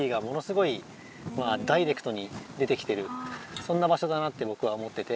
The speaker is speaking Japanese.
そんな場所だなってぼくは思ってて。